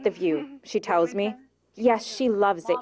dia berkata ya dia suka di sini